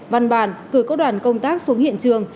văn bản cử các đoàn công tác xuống hiện trường